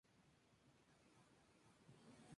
El edificio está construido de cristal y aluminio.